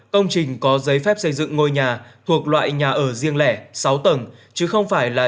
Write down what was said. công trình có giấy phép xây dựng ngôi nhà thuộc loại nhà ở riêng lẻ sáu tầng chứ không phải là